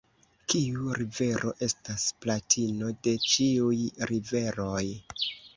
Kiu rivero estas patrino de ĉiuj riveroj?